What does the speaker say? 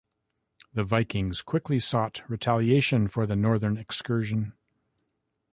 The Vikings quickly sought retaliation for the Northern excursion.